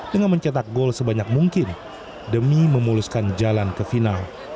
dengan mencetak gol sebanyak mungkin demi memuluskan jalan ke final